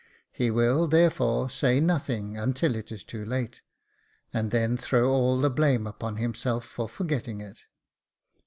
He will, therefore, say nothing until it is too late, and then throw all the blame upon himself for forgetting it.